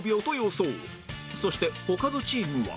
そして他のチームは